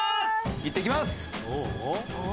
いってきます！